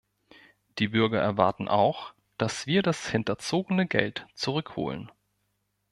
Die Bürger erwarten auch, dass wir das hinterzogene Geld zurückholen.